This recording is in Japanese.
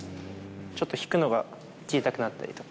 ちょっと引くのが小さくなったりとか。